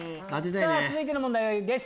さぁ続いての問題です